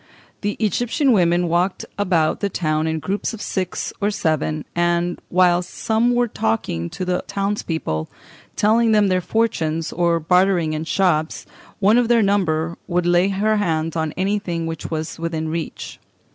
The Egyptian women walked about the town in groups of six or seven, and whilst some were talking to the townspeople, telling them their fortunes, or bartering in shops, one of their number would lay her hands on anything which was within reach.